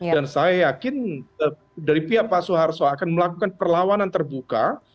dan saya yakin dari pihak pak soeharto akan melakukan perlawanan terbuka